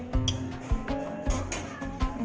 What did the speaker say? seperti telur gulai kambing opor dan lontok